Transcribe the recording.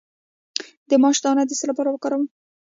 د ماش دانه د څه لپاره وکاروم؟